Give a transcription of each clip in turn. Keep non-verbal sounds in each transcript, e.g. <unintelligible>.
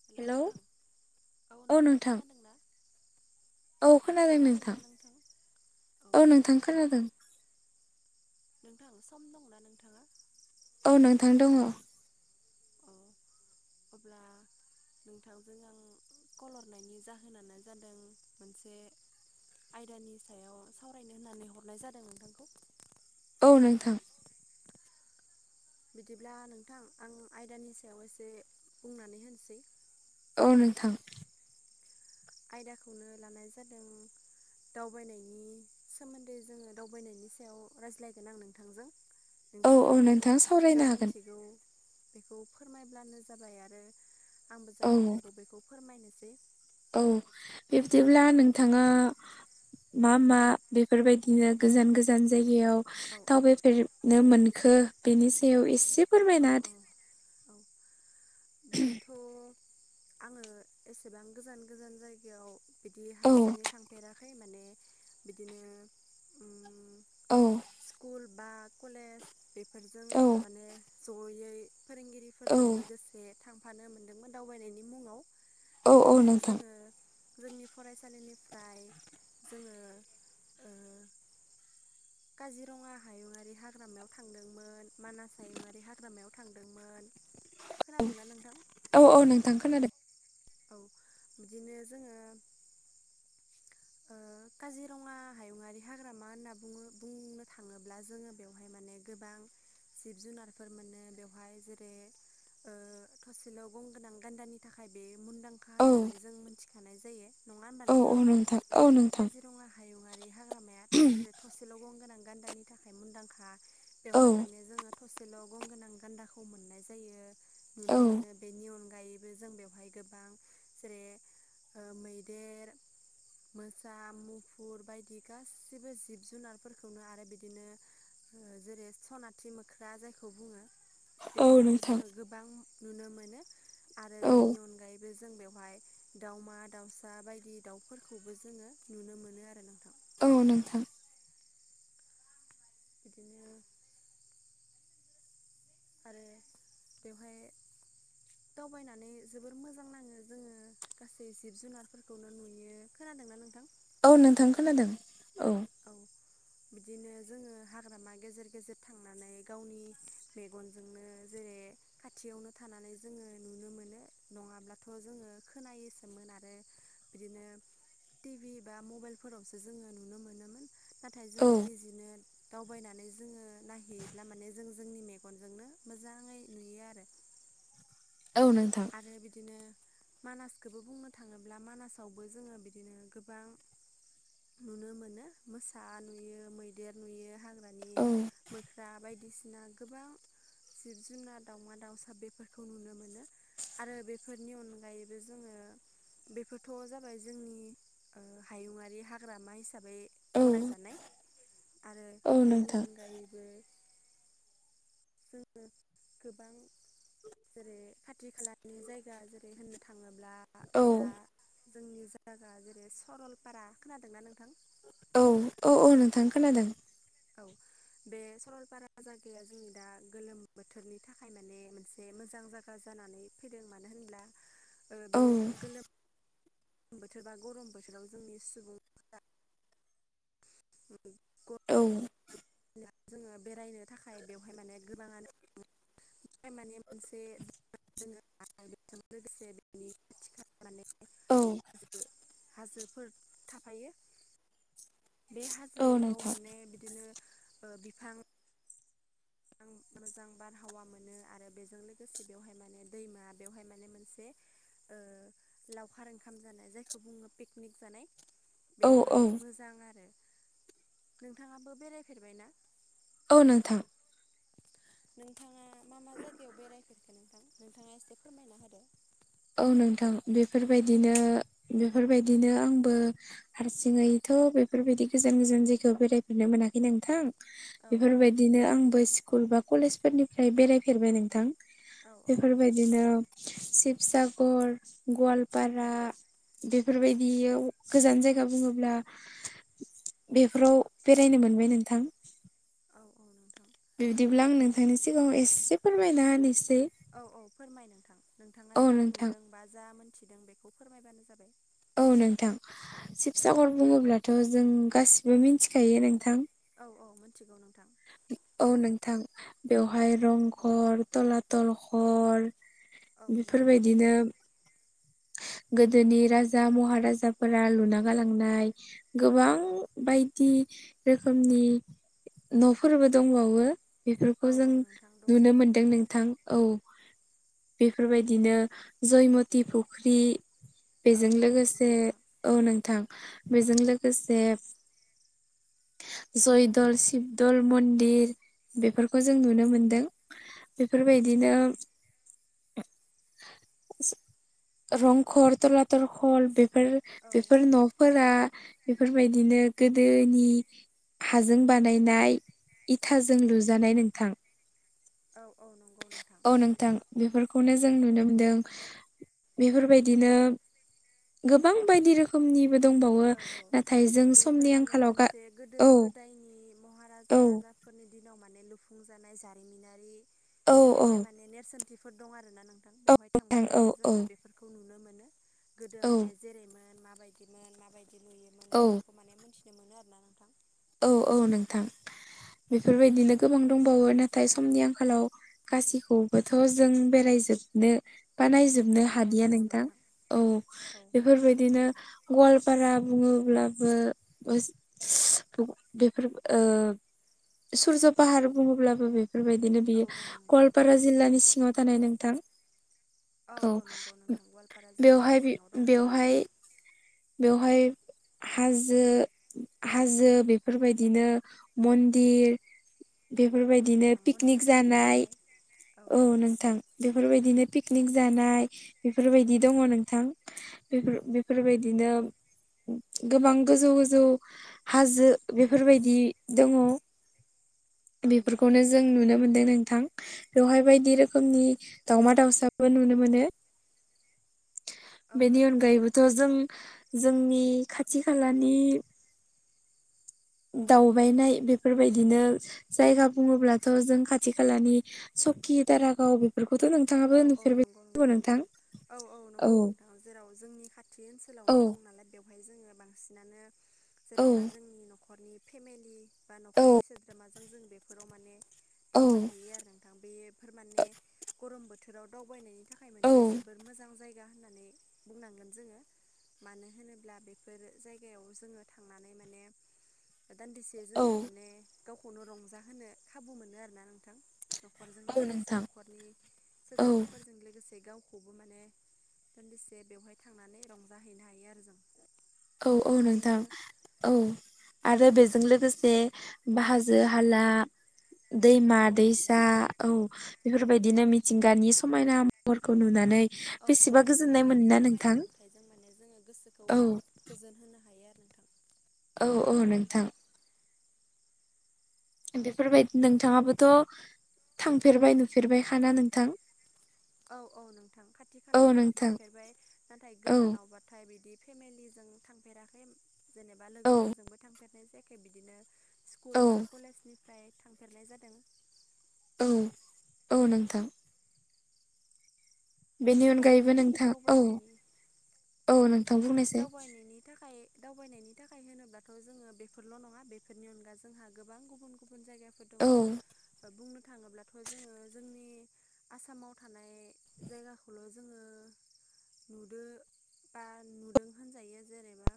Hello नोंथां औ नोंथां खोनादोंना? औ खोनादों नोंथां औ नोंथां खोनादों नोंथां सम दंना नोंथांङा? औ नोंथां दंङ। औ अब्ला नोंथांजों आं कल हरनायनि जाहोनानो जादों मोनसे आयदानि सायाव सावरायनो होननानै हरनाय जादों नोंथांखौ औ नोंथां बिदिब्ला नोंथां आं आयदानि सायाव एसे बुंनानै होनोसै औ नोंथां आयदाखौनो लानाय जादों दावबायनायनि सोमोन्दै जोंङो दावबायनायनि सायाव रायज्लायगोन आं नोंथांजों औ औ नोंथांङाबो नोंथां था सावरायनो हागोन मिनथिगौ बेखौ फोरमायब्लानो जाबाय आरो आंबो जा औ मिथिगौ बेखौ फोरमायनोसै औ बिब्दिब्ला नोंथांङा मा मा बेफोरबायदिनो गोजान गोजान जायगा याव औ औ दावबायफेरनो मोनखो बेनि सायाव एसे औ फोरमायना औ औ बिदिथ' आङो एसेबां गोजान गोजान जायगायाव बेदि होदो हारसिंङै थांफेरा खै माने बिदिनो उम औ कुल बा कलेज बेफोरजों औ माने जयै औ फोरोंगिरिफोरजों लोगोसे थांफानो मोनदोंमोन दावबायनायनि मुङाव औ औ बिदिनो नोंथां जोङो जोंनि फरायसालिनिफ्राय जोंङो ओ काजिरङा हायुङारि हाग्रामायाव थांदोंमोन मानास हायुङरारि बे हाग्रामायाव थांदोंमोन। खोनादोंना नोंथां औ औ औ नोंथां खोनादों। औ बिदिनो जोङो ओ काजिरङा हायुङारि हाग्रामा होनना बुङो बुंनो थाङोब्ला जोङो बेवहाय माने गोबां जिब जुनारफोर मोनो बेवहाय जेरै ओ थसेल' गंगोनां गान्दानि थाखाय बे मुंदांखा औ होननानै जों मिथिखानाय जायो। नङा होमबा औ औ नोंथां। औ नोंथां काजिरङा हायुङारि हाग्रामाया जेरै थसेल' गं गोनां गान्दानि थाखाय मुनदांखा औ बेवहाय माने जोङो थसे सेल' गंगोनां गान्दाखौ मोननाय जायो नुनो औ मोनो बे नियन गायैबो जों बेयावहाय गोबां जेरै ओ मैदेर मोसा मुफुर बायदि गाससिबो जिब जुनारफोरखौनो आरो बिदिनो ओ जेरै सनाथि मोख्रा जायखौ बुङो औ बेफोरखौ नोंथां जोङो गोबां नुनो मोनो आरो औ बेनि अनगायै बे जों बेवहाय दावमा दावसा बायदि दाउफोरखौबो जोङो नुनो मोनो आरो नोंथां। औ नोंथां बिदिनो आरो बेवहाय दावबायनानै जोबोर मोजां नाङो जोङो गासै जिब जुनारफोरखौनो नुयो खोना खोनादों ना नोंथां। औ नोंथां खोनादों औ। बिदिनो जोङो हाग्रामा गेजेर गेजेर थांनानै गावनि मेगनजोंनो जे जेरै खाथियावनो थानानै जोङो नुनो मोनो नङाब्लाथ' जोङो खोनायोसोमोन आरो। बे बिदिनो टिभि बा मबाइलफोरावसो जोङो नुनो मोनो। नाथाय औ जोङो निजिनो दावबायनानै जोङो नायहैयोब्ला माने जों जोंनि मेगनजोंनो मोजाङै नुयो आरो। <unintelligible> औ नोंथां आरो बिदिनो मानासखोबो बुंनो थाङोब्ला मानासावबो जोङो बिदिनो गोबां नुनो मोनो मोसा नुयो मैदेर नुयो हालु मानि औ मोख्रा बायदिसि ना गोबां जिब जुनार दावमा दाउसा बेफोरखौ नुनो मोनो। आरो बेफोरनि अनगायैबो जोङो बेफोरथ' जाबाय जोंनि ओ हायुङारि हाग्रामा हिसा साबै औ गनायजानाय आरो औ बेनि नोंथां अनगायैबो जोङो गोबां जेरै खाथि खालानि जायगा जेरै होननो थाङो ब्ला औ दा जोंनि जागा जेरै सरलपारा खोनादोंना नोंथां? औ औ औ नोंथां खोनादों। औ बे सरलपारा जागाया जोंनि दा गोलोम बोथोरनि थाखाय माने मोनसे मोजां जागा जानानै फैदों मानो होनब्ला ओ औ बे गोलोम बोथोर बा गरम बोथोराव जोंनि सुबुं <unintelligible> औ मोननाय जोङो बेरायनो थाखाय बेवहाय माने गोबाङानो बेहाय माने मोनसे दोनो आरो बेजों लोगोसे बेनि थिखानानै औ हाजोफोर थाफायो बे औ हाजोआव नोंथां माने बिदिनो बिफां मोजां मोजां बारहावा मोनो आरो बेजों लोगोसे बेवहाय माने दैमा बेवहाय माने मोनसे ओ लावखार ओंखाम जानाय जायखौ बुङो पिकनिक जानाय। बे औ औ माने मोजां आरो नोंथाङाबो बेराय फेरबायना? औ नोंथां। <inaudible> नोंथाङा मा मा जायगायाव बेरायफेरखो नोंथां नोंथाङा एसे फोरमायना होदो? औ नोंथां बेफोरबायदिनो बेफोरबायदिनो आंबो हारसिङै बेफोरबायदि गोजान गोजान जायखौ बेरायफनो मोनाखै नोंथां। औ बेफोरबायदिनो आंबो स्कुल बा कलेज फोरनिफ्राय बेराय फेरबाय नोंथां। औ औ नोंथां बेफोरबायदिनो शिबसागर, गवाल- औ पारा बेफोरबायदियाव गोजान जायगा बुङोब्ला- बेफोराव बेरायनो मोनबाय नोंथां। औ औ नोंथां। बिबदिब्ला आं नोंथांनि सिगाङाव एसे फोरमायना होनोसै। औ औ फोरमाय नोंथां नोंथाङा औ जा नोंथां नुदों बा जा मोन्थिदों बेखौ फोरमायबानो जाबाय। औ नोंथां शिबसागर बुङोब्लाथ' जों गासिबो मिथिखायो नोंथां। औ औ मिथिगौ नोंथां। औ नोंथां बेवहाय रंघर थलाथल घर औ नोंथां बेफोरबायदिनो <inaudible> गोदोनि राजा महाराजाफोरा लुना गालांनाय गोबां बायदि रोखोमनि न'फोरबो दंबावो। बेफोरखौ औ औ जों नोंथां दङ नुनो मोनदों नोंथां। औ बेफोरबायदिनो जयमति फुख्रि। औ बेजों औ लोगोसे नंगौ नोंथां औ नोंथां बेजों लोगोसे <inaudible> जयदल शिबदल मन्दिर बेफोरखौ जों नुनो मोनदों। बेफोरबायदिनो <inaudible> रंघर टला टल घर बेफोर औ बेफोर न'फोरा बेफोरबायदिनो गोदोनि हाजों बानायनाय। इथाजों लुजानाय नोंथां। औ औ नंगौ औ नोंथां बेफोर- खौनो जों नुनो मोनदों। बेफोरबायदिनो गोबां बायदि रोखोमनि औ औ बेफोर माने आंखालाव गा मोनसे औ गोदो-गोदायनि महाराजा औ राजा- फोरनि दिनाव माने लुफुंजानाय जारिमिनारि औ औ बेवहाय माने नेरसोनथिफोर दं आरो। ना नोंथां बेवहाय थांबा नोंथां औ माने औ जोङो बेफोरखौ नुनो मोनो। गोदो औ माने जेरै मोन माबायदिमोन माबायदि नुयोमोन औ बेफोरखौ माने मोनथिनो मोनो आरोना नोंथां। औ औ नोंथां। बेफोरबायदिनो गोबां दंबावो नाथाय समनि आंखालाव गासिखौबोथ' जों बेराय जोबनो बा नायजोबनो औ औ हादिया नंगौ नोंथां औ औ बेफोरबायदिनो गवाल पारा बुङोब्लाबो <unintelligible> बेफोर ओ सुरज' पाहार बुङोब्लाबो बे बायदिनो औ बियो औ नंगौ गवालपारा जिल्लानि सिङाव थानाय नोंथां औ औ नंगौ नोंथां गवालपारा जिल्लानि बेवहाय सिङाव दं बेयो दहाय हाजो हाजो बेफोरबायदिनो मन्दिर औ बेफोरबायदिनो नोंथां पिकनिक मन्दिर दङ जानाय बेवहाय औ नोंथां बेफोरबायदिनो पिक निक जानाय बेफोरबायदि दङ नोंथां बेफोर बेफोरबायदिनो गोबां गोजौ गोजौ हाजो बेफोरबायदि दङ औ नंगौ बेफोरखौनो जों नोंथां नुनो मोनदों नोंथां। बेवहाय बायदि रोखोमनि दावमा दावसाबो नुनो मोनो। औ बेनि नंगौ नोंथां अनगायैबोथ' जों जोंनि खाथि खालानि दावबायनाय बेफोरबायदिनो जायगा बुङोब्लाथ' जों खाथि खालानि सकि दारागाव बेफोर औ औ नंगौ नोंथां औ औ नंगौ नोंथां जेराव जोंनि खा थि औ ओनसोलावनो दं नालाय बेवहाय जोङो बांसिनानो औ जेनेबा जोंनि न'खरनि फेमेलि बा औ न'खरनि सोद्रोमाजों जों बेफोराव माने औ दावबायहैयो आरो नोंथां बे फोर माने गरम बोथोराव दावबायनायनि थाखाय मोनसे औ जोबोर मोजां जाय गा होननानै बुंनांगोन जोङो। मानो होनोब्ला बेफोर जायगायाव जोङो थांनानै माने दान्दिसे औ जोङो माने गावखौनो रंजाहोनो खाबु मोनो आरोना नोंथां। नखरजों औ लोगोसे नोंथां न'खरनि औ सोद्रोमाफोरजों लोगो से गावखौबो माने दान्दिसे बेवहाय थांनानै रंजाहैनो हायो आरो जों। औ औ बिदिनो नोंथां औ आरो बेजों लोगोसे हाजो-हाला औ औ दैमा-दैसा नंगौ औ बेफोरबायदिनो मिथिंगानि समायना महरखौ नुनानै औ औ बेसेबा गोजोननाय मिथिंगानि मोनोना समायना नोंथां नुथाइजों माने जोङो गोसोखौ औ गोजोन होनो हायो आ औ औ नोंथां बेफोरबायदि नोंथाङाबोथ' थांफेरबाय नुफेरबायखा ना नोंथां? औ औ नोंथां खाथि औ खालाफोराव नोंथां थांफेरबाय नाथाय औ गोजानावबाथाय बिदि फेमिलिजों थांफेराखै जेनेबा औ लोगोफोरजोंबो थांफेरनाय जायाखै बिदिनो औ स्कुल बा कलेजनिफ्राय थांफेरनाय जादों। औ औ नोंथां। बेनि नाथाय अनगायैबो जोंनि नोंथां औ दावबायनायनि औ नोंथां बुंनायसै दावबायनायनि थाखाय दावबायनायनि थाखाय होनोब्लाथ' जोङो बेफोरल' नङा बेफोरनि अनगा जोंहा गोबां गुबुन गु बुन जायगाफोर औ दङ बुंनो थाङोब्लाथ' जोङो जोंनि आसामाव थानाय जायगाखौल' जोङो नुदो बा नुदों होनजायो जेनेबा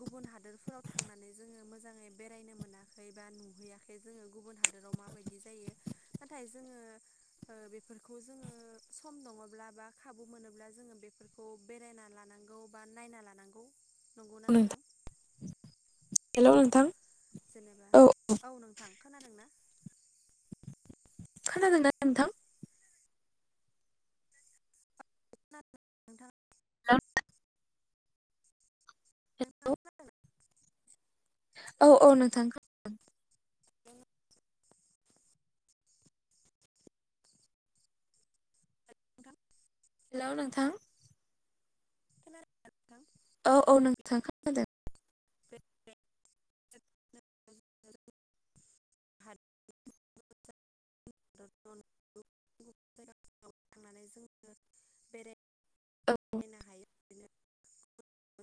गुबुन हादोरफोराव थांनानै जोङो मोजाङै बेरायनो मोनाखै बा नुहैयाखै जोङो गुबुन हादोराव माबायदि जायो नाथाय जोङो ओ बेफोरखौ जोङो सम दङब्ला एबा खाबु मोनोब्ला जोङो बेफोरखौ बेरायना लानांगौ बा नायना लानांगौ। नंगौना नोंथां? हेल' औ औ नोंथां जेनेबा औ <inaudible> खोनादोंना? खोनादों द नोंथां। <unintelligible> औ औ नोंथां हेल' नोंथां। औ औ नोंथां खोनादों हाद <unintelligible> नो औ हायो <inaudible>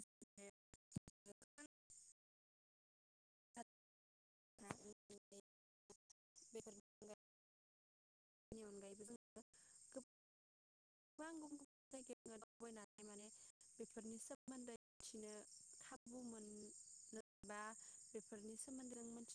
नि अनगायैबो जोंङो <unintelligible> गोबां गुबुन गुबुन जायगायावनो दावबायनानै माने बेफोरनि सोमोन्दै मिथिनो खाबु मोनो बा बेफोरनि सोमोन्दै मोनथिनो